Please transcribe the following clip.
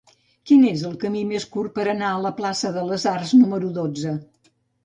Quin és el camí més curt per anar a la plaça de les Arts número dotze?